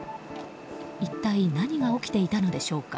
一体何が起きていたのでしょうか。